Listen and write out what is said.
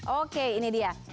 oke ini dia